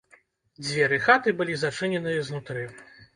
Дзверы хаты былі зачыненыя знутры.